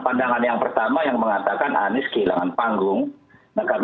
pandangan yang pertama yang mengatakan anies kehilangan panggung